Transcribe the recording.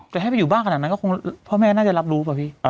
แต่ให้ไปอยู่บ้านขนาดนั้นก็คงพ่อแม่น่าจะรับรู้ป่ะพี่